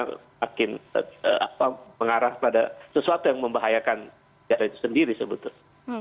semakin mengarah pada sesuatu yang membahayakan negara itu sendiri sebetulnya